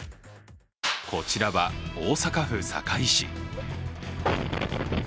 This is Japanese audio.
こちらは大阪府堺市。